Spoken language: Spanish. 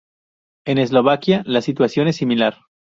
En Eslovaquia la situación es similar.